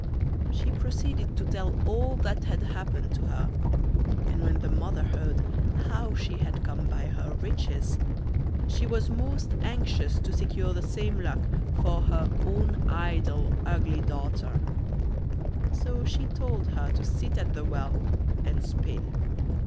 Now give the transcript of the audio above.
She proceeded to tell all that had happened to her, and when the mother heard how she had come by her riches, she was most anxious to secure the same luck for her own idle, ugly daughter; so she told her to sit at the well and spin.